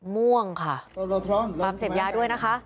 ม่วงค่ะตามเสพยาด้วยนะคะ